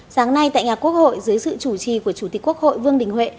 sáng nay tại nhà quốc hội dưới sự chủ trì của chủ tịch quốc hội vương đình huệ